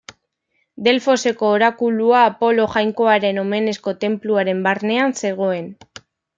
Delfoseko orakulua Apolo jainkoaren omenezko tenpluaren barnean zegoen.